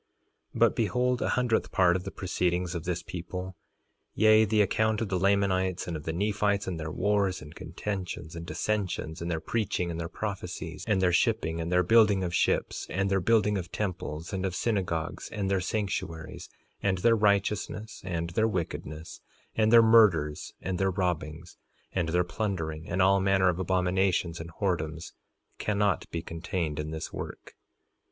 3:14 But behold, a hundredth part of the proceedings of this people, yea, the account of the Lamanites and of the Nephites, and their wars, and contentions, and dissensions, and their preaching, and their prophecies, and their shipping and their building of ships, and their building of temples, and of synagogues and their sanctuaries, and their righteousness, and their wickedness, and their murders, and their robbings, and their plundering, and all manner of abominations and whoredoms, cannot be contained in this work.